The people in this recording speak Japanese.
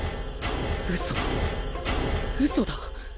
ウソウソだ